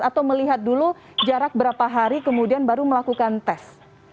atau melihat dulu jarak berapa hari kemudian baru melakukan tes